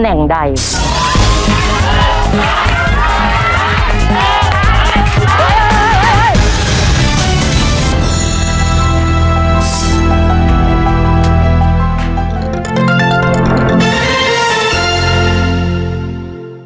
หนึ่งล้าน